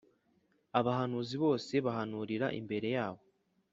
abahanuzi bose bahanurira imbere yabo